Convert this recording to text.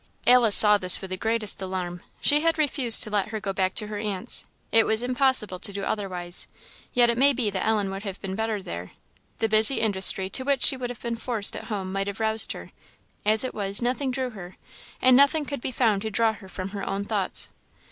Alice saw this with the greatest alarm. She had refused to let her go back to her aunt's; it was impossible to do otherwise; yet it may be that Ellen would have been better there. The busy industry to which she would have been forced at home might have roused her; as it was, nothing drew her, and nothing could be found to draw her from her own thoughts.